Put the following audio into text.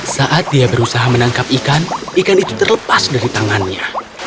saat dia berusaha menangkap ikan ikan itu terlepas dari tangannya